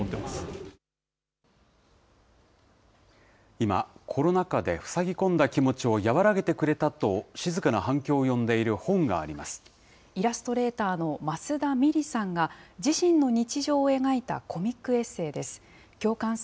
今、コロナ禍でふさぎ込んだ気持ちを和らげてくれたと静かな反響を呼イラストレーターの益田ミリさんが、自身の日常を描いたコミックエッセイです。